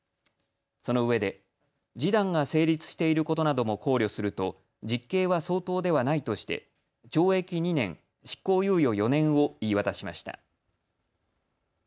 そのうえで示談が成立していることなども考慮すると実刑は相当ではないとして懲役２年、執行猶予４年を言い渡しました。